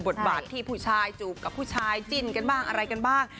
บทบาทที่ผู้ชายจูบกับผู้ชายจิ้นกันบ้างอะไรกันบ้าง